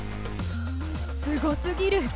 すごすぎる。